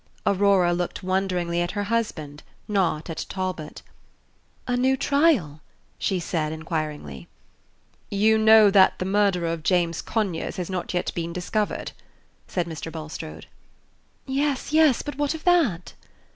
Aurora looked wonderingly at her husband, not at Talbot. "A new trial?" she said, inquiringly. "You know that the murderer of James Conyers has not yet been discovered?" said Mr. Bulstrode. "Yes, yes; but what of that?"